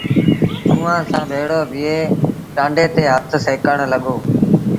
اُئآݩٚ سآݩٚ ڀيڙو بيٚهي ٽآنڊي تي هٿ سيڪڻ لڳو۔